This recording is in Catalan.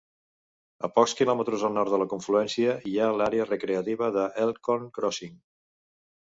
A pocs quilòmetres al nord de la confluència hi ha l'àrea recreativa d'Elkhorn Crossing.